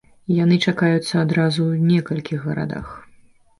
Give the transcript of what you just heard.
Яны чакаюцца адразу ў некалькіх гарадах.